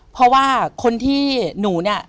เพราะว่าคนที่หนูเนี่ย